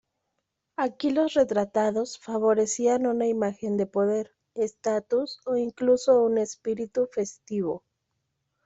Aquí los retratados favorecían una imagen de poder, estatus o incluso un espíritu festivo.